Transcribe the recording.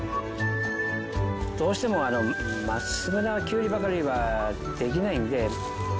どうしてもまっすぐなきゅうりばかりはできないんで。